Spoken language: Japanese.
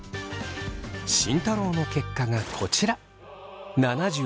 慎太郎の結果がこちら。